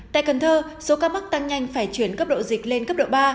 tại cần thơ số ca mắc tăng nhanh phải chuyển cấp độ dịch lên cấp độ ba